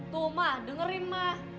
tuh ma dengerin ma